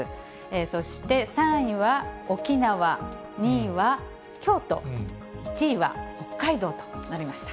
そして３位は沖縄、２位は京都、１位は北海道となりました。